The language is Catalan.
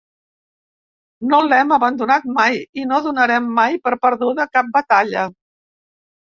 No l’hem abandonat mai i no donarem mai per perduda cap batalla.